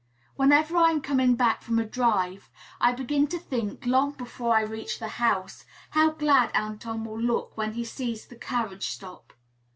Whenever I am coming back from a drive, I begin to think, long before I reach the house, how glad Anton will look when he sees the carriage stop.